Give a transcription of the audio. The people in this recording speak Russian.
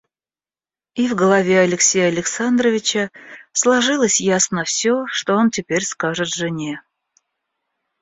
И в голове Алексея Александровича сложилось ясно всё, что он теперь скажет жене.